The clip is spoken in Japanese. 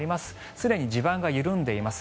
すでに地盤が緩んでいます。